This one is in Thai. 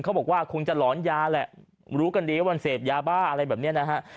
เขาบอกว่าคงจะหลอนยาแหละรู้กันดีว่ามันเสพยาบ้าอะไรแบบนี้นะฮะ